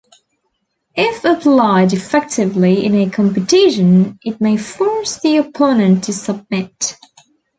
If applied effectively in a competition it may force the opponent to submit.